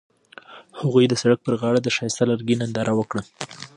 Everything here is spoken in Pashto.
هغوی د سړک پر غاړه د ښایسته لرګی ننداره وکړه.